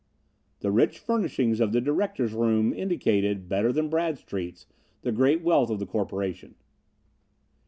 The rich furnishings of the directors' room indicated, better than Bradstreet's, the great wealth of the corporation.